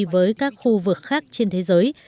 với các khu vực khác trên thế giới